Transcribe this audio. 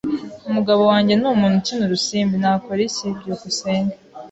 Umugabo wanjye ni umuntu ukina urusimbi. Nakora iki? byukusenge